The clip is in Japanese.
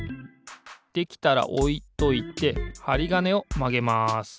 できたらおいといてはりがねをまげます。